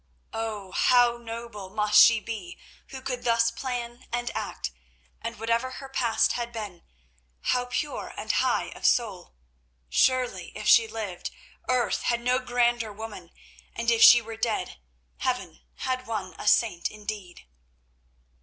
Oh! how noble must she be who could thus plan and act, and, whatever her past had been, how pure and high of soul! Surely, if she lived, earth had no grander woman; and if she were dead, heaven had won a saint indeed.